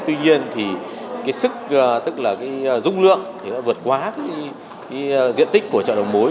tuy nhiên thì cái sức tức là cái dung lượng thì đã vượt qua cái diện tích của chợ đầu mối